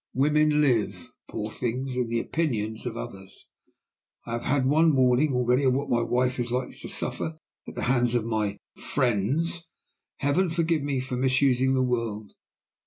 Women live, poor things, in the opinions of others. I have had one warning already of what my wife is likely to suffer at the hands of my 'friends' Heaven forgive me for misusing the word!